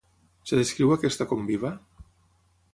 Es descriu aquesta com viva?